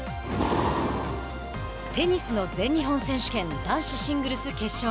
テニスの全日本選手権男子シングルス決勝。